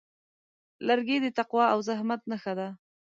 لرګی د تقوا او زحمت نښه ده.